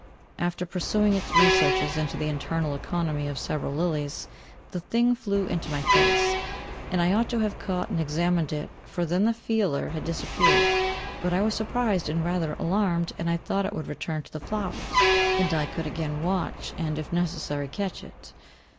After pursuing its researches into the internal economy of several lilies, the thing flew into my face, and I ought to have caught and examined it, for then the feeler had disappeared; but I was surprised and rather alarmed, and I thought it would return to the flowers, and I could again watch, and, if necessary, catch it.